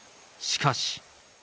しかし。